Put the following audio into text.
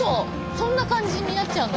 そんな感じになっちゃうの？